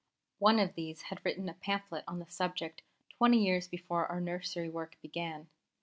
One of these had written a pamphlet on the subject twenty years before our Nursery work began.